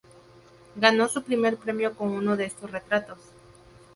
Ganó su primer premio con uno de estos retratos.